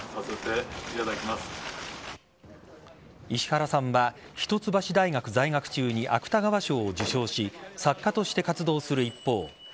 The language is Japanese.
石原さんは一橋大学在学中に芥川賞を受賞し作家として活動する一方